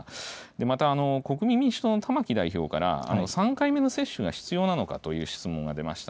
また国民民主党の玉木代表から、３回目の接種が必要なのかという質問が出ました。